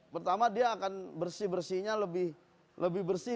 pertama dia akan bersih bersihnya lebih bersih